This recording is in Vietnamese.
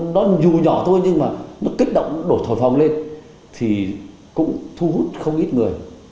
nó dù nhỏ thôi nhưng mà nó kích động đổ thổi phòng lên thì cũng thu hút không ít người